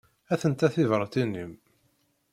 Atent-a tebratin-im.